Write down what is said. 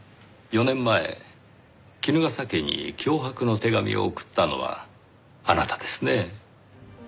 ４年前衣笠家に脅迫の手紙を送ったのはあなたですねぇ？